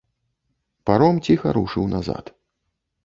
Паром ціха рушыў назад.